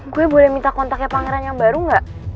gue boleh minta kontaknya pangeran yang baru nggak